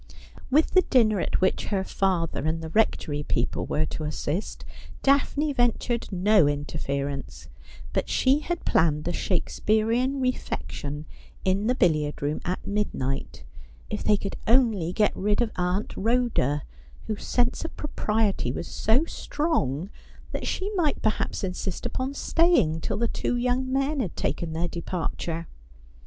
With the dinner at which her father and the Rectory people were to assist. Daphne ventured no interference ; but she had planned a Shakespearian refection in the billiard room at midnight — if they could only get rid of Aunt Ehoda, whose sense of propriety was so strong that she might perhaps insist upon staying till the two young men had taken their departure.